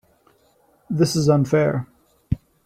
This is unfair.